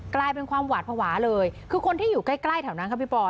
กลายเป็นความหวาดภาวะเลยคือคนที่อยู่ใกล้ใกล้แถวนั้นครับพี่ปอย